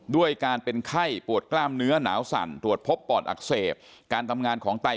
ด้วยการเป็นไข้ปวดกล้ามเนื้อหนาวสั่นตรวจพบปอดอักเสบการทำงานของไต